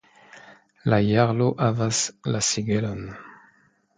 La jarlo havas la sigelon.